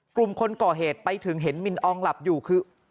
กลุ่มคนก่อเหตุไปถึงเห็นมินอองหลับอยู่คือ